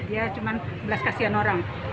dia cuma belas kasihan orang